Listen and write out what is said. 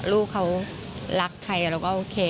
ลูกเขารักใครเราก็โอเค